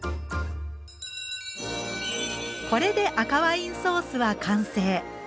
これで赤ワインソースは完成。